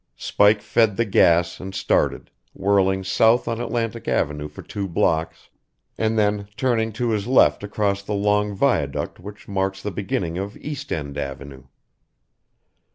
Spike fed the gas and started, whirling south on Atlantic Avenue for two blocks, and then turning to his left across the long viaduct which marks the beginning of East End Avenue.